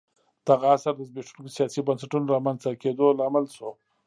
دغه عصر د زبېښونکو سیاسي بنسټونو رامنځته کېدو لامل شو